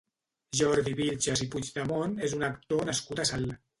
Jordi Vilches i Puigdemont és un actor nascut a Salt.